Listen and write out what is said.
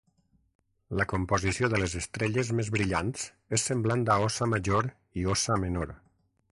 La composició de les estrelles més brillants és semblant a Óssa Major i Óssa Menor.